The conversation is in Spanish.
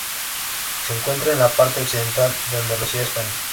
Se encuentra en la parte occidental de Andalucía, España.